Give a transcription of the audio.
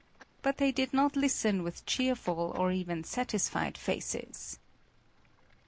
But they did not listen with cheerful or even satisfied faces.